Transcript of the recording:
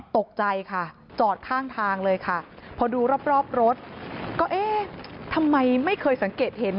ตกใจค่ะจอดข้างทางเลยค่ะพอดูรอบรถก็เอ๊ะทำไมไม่เคยสังเกตเห็น